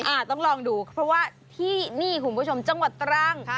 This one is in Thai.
ต้องลองดูเพราะว่าที่นี่คุณผู้ชมจังหวัดตรัง